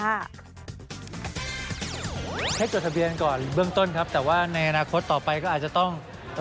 ให้จดทะเบียนก่อนเบื้องต้นครับแต่ว่าในอนาคตต่อไปก็อาจจะต้องเอ่อ